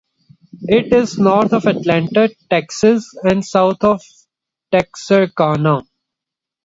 It is north of Atlanta, Texas, and south of Texarkana.